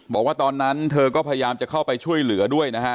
บอกว่าตอนนั้นเธอก็พยายามจะเข้าไปช่วยเหลือด้วยนะฮะ